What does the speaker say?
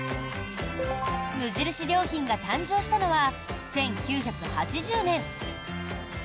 無印良品が誕生したのは１９８０年。